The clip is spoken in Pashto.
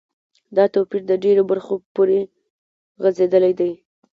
دا توپیر د ډیرو برخو پوری غځیدلی دی.